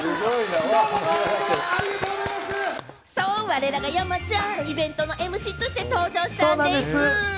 我らが山ちゃん、イベントのＭＣとして登場したんでぃす。